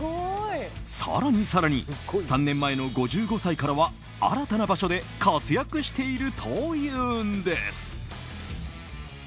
更に更に、３年前の５５歳からは新たな場所で活躍しているというんです。